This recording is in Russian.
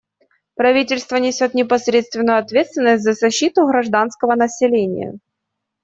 Правительство несет непосредственную ответственность за защиту гражданского населения.